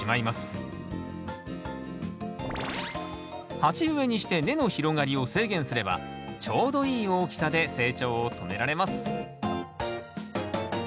鉢植えにして根の広がりを制限すればちょうどいい大きさで成長を止められます